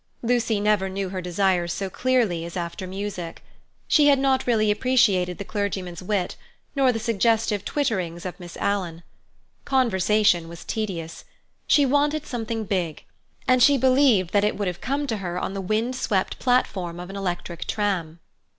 Lucy never knew her desires so clearly as after music. She had not really appreciated the clergyman's wit, nor the suggestive twitterings of Miss Alan. Conversation was tedious; she wanted something big, and she believed that it would have come to her on the wind swept platform of an electric tram.